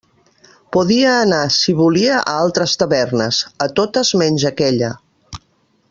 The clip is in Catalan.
Podia anar si volia a altres tavernes; a totes menys aquella.